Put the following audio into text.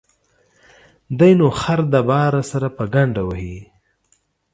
دى نو خر د باره سره په گڼده وهي.